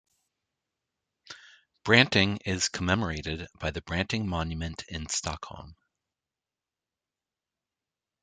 Branting is commemorated by the Branting Monument in Stockholm.